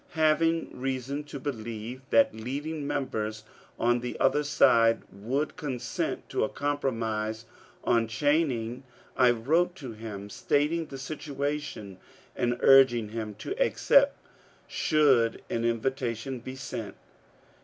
Having reason to believe that leading members on the other side would consent to a compromise on Channing, I wrote to him, stating the situation and urging him to accept should an invitation be sent.